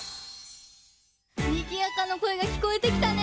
にぎやかなこえがきこえてきたね。